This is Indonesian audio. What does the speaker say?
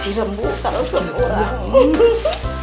cirem bukalo semua orang